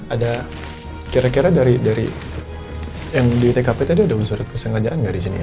ada kira kira dari yang di tkp tadi ada surat kesengajaan gak disini ya